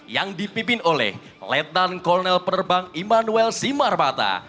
yang dipimpin oleh lieutenant colonel perbang immanuel simarmata